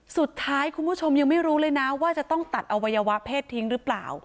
คุณผู้ชมยังไม่รู้เลยนะว่าจะต้องตัดอวัยวะเพศทิ้งหรือเปล่า